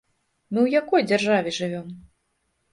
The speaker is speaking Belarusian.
Мы ў якой дзяржаве жывём?